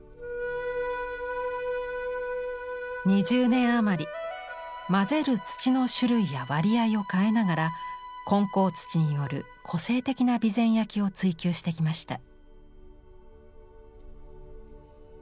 ２０年余り混ぜる土の種類や割合を変えながら混淆土による個性的な備前焼を追求してきました。